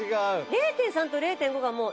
０．３と０．５がもうえっ？